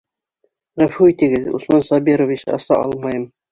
Ғәфү итегеҙ, Усман Сабирович, аса алмайым.